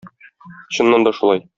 Чыннан да шулай.